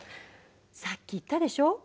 さっき言ったでしょ。